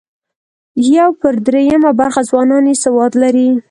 یو پر درېیمه برخه ځوانان یې سواد لري.